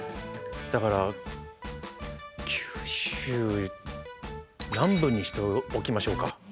だから九州南部にしておきましょうか。